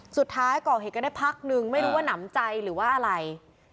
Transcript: สุดท้ายเกาะเห็ดก็ได้พักหนึ่งไม่รู้ว่าน้ำใจหรือว่าอะไร